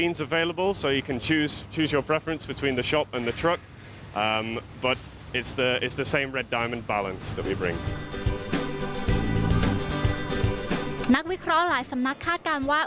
นักวิเคราะห์หลายสำนักคาดการณ์ว่า